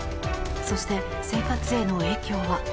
そして、生活への影響は。